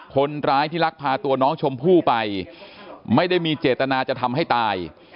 คนร้ายที่ลักพาตัวน้องชมพู่ไปไม่ได้มีเจตนาจะทำให้ตาย